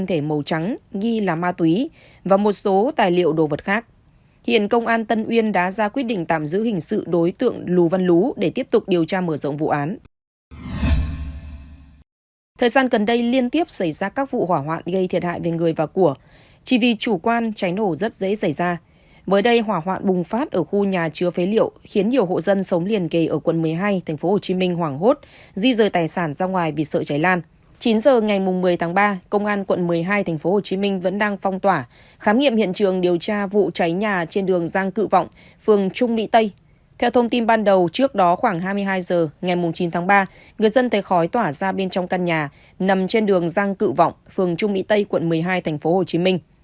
theo thông tin ban đầu trước đó khoảng hai mươi hai h ngày chín tháng ba người dân thấy khói tỏa ra bên trong căn nhà nằm trên đường giang cự vọng phường trung mỹ tây quận một mươi hai tp hcm